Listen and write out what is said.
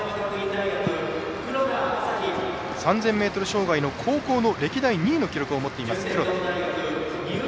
３０００ｍ障害の高校の歴代２位の記録を持っています、黒田。